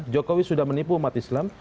jokowi sudah menipu umat islam